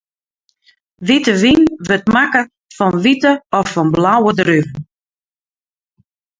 Wite wyn wurdt makke fan wite of fan blauwe druven.